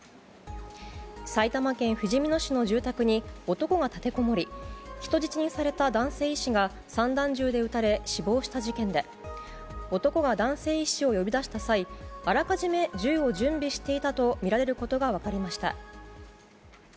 埼玉県ふじみ野市の住宅に男が立てこもり人質にされた男性医師が散弾銃で撃たれ死亡した事件で男が男性医師を呼び出した際あらかじめ銃を準備していたとみられることが分かりました。